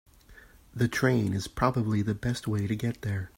The train is probably the best way to get there.